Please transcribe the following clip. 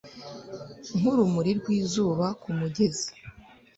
Nkurumuri rwizuba kumugezi